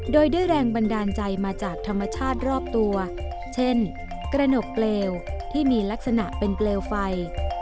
โดยได้แรงบันดาลใจมาจากธรรมชาติรอบตัวเช่นกระหนกเปลวที่มีลักษณะเป็นเปลวไฟ